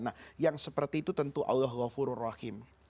nah yang seperti itu tentu allah